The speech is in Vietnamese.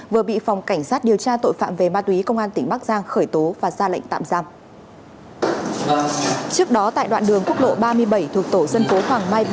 vừa bị phòng cảnh sát điều tra tội phạm về ma túy công an tỉnh bắc giang khởi tố và ra lệnh tạm giam